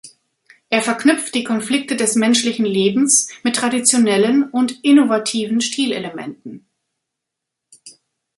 Er verknüpft die Konflikte des menschlichen Lebens mit traditionellen und innovativen Stilelementen.